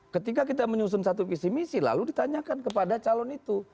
ketika kita menyusun satu visi misi lalu ditanyakan kepada calon itu